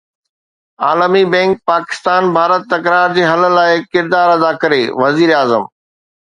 عالمي بئنڪ پاڪستان-ڀارت تڪرار جي حل لاءِ ڪردار ادا ڪري: وزيراعظم